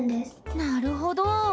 なるほど。